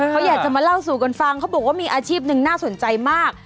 เขาอยากจะมาเล่าสู่กันฟังเขาบอกว่ามีอาชีพหนึ่งน่าสนใจมาก